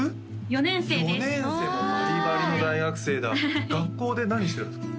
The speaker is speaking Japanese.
４年生です４年生バリバリの大学生だ学校で何してるんですか？